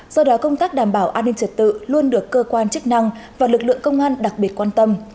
do đó công tác đảm bảo an ninh trật tự luôn được cơ quan chức năng và lực lượng công an đặc biệt quan tâm